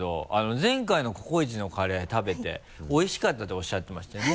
前回のココイチのカレー食べておいしかったっておっしゃってましたよね？